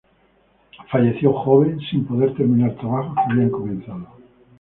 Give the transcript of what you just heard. Falleció joven, sin poder terminar trabajos que había comenzado.